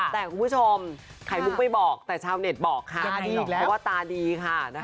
แต่คุณผู้ชมไข่มุกไม่บอกแต่ชาวเน็ตบอกค่ะเพราะว่าตาดีค่ะ